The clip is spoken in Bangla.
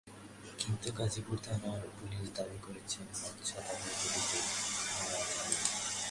কিন্তু গাজীপুর থানার পুলিশ দাবি করেছে, বাদশা তাদের গুলিতে মারা যাননি।